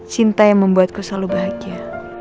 cinta yang membuatku selalu bahagia